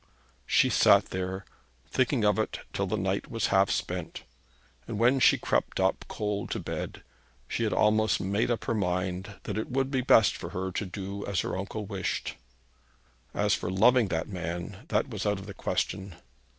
She sat there, thinking of it till the night was half spent, and when she crept up cold to bed, she had almost made up her mind that it would be best for her to do as her uncle wished. As for loving the man, that was out of the question.